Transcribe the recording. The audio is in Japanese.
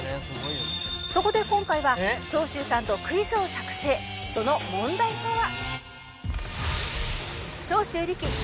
「そこで今回は長州さんとクイズを作成」「その問題とは」